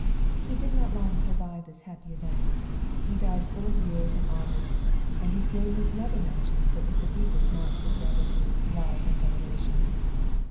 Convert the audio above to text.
He did not long survive this happy event; he died full of years and honours, and his name was never mentioned but with the deepest marks of gratitude, love and veneration.